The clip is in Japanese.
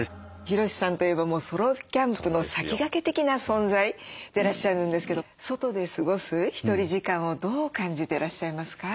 ヒロシさんといえばソロキャンプの先駆け的な存在でいらっしゃるんですけど外で過ごすひとり時間をどう感じてらっしゃいますか？